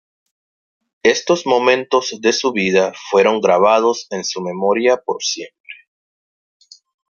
Estos momentos de su vida fueron gravados en su memoria por siempre.